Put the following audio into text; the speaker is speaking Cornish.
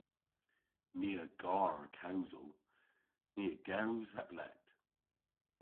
Ni a gar kewsel. Ni a gews heb lett.